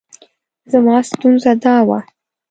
زما ستونزه دا وه.